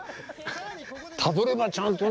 たどればちゃんとね。